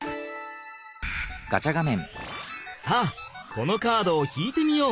さあこのカードを引いてみよう！